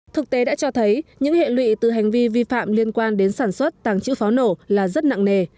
thực tế đã cho thấy những hệ lụy từ hành vi vi phạm liên quan đến sản xuất tàng trữ pháo nổ là rất nặng nề